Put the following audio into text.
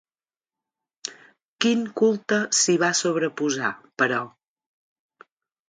Quin culte s'hi va sobreposar, però?